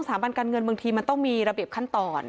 บันการเงินบางทีมันต้องมีระเบียบขั้นตอน